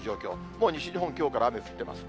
もう西日本、きょうから雨降ってます。